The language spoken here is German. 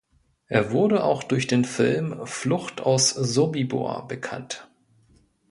Er wurde auch durch den Film "Flucht aus Sobibor" bekannt.